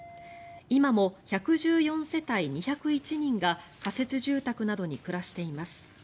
今も１１４世帯２０１人が仮設住宅などに暮らしています。